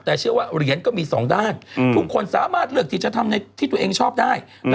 แต่เชื่อว่าเหรียญก็มีสองด้านทุกคนสามารถเลือกที่จะทำในที่ตัวเองชอบได้